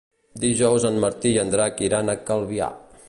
Dijous en Martí i en Drac iran a Calvià.